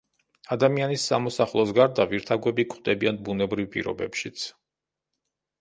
ადამიანის სამოსახლოს გარდა ვირთაგვები გვხვდებიან ბუნებრივ პირობებშიც.